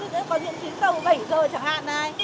có diễn tính tàu bảy h chẳng hạn này